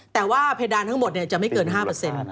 แต่ว่าเพดานทั้งหมดจะไม่เกิน๕